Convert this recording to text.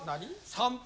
散歩？